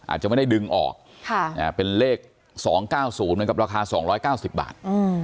อาจจะไม่ได้ดึงออกเป็นเลข๒๙๐เหมือนกับราคา๒๙๐บาท